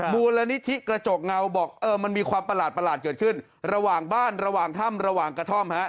มูลนิธิกระจกเงาบอกเออมันมีความประหลาดเกิดขึ้นระหว่างบ้านระหว่างถ้ำระหว่างกระท่อมฮะ